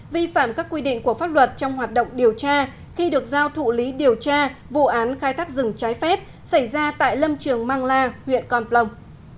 vi phạm các quy định của pháp luật trong hoạt động điều tra khi được giao thụ lý điều tra vụ án khai thác rừng trái phép xảy ra tại lâm trường mang la huyện con plong